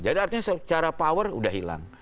jadi artinya secara power udah hilang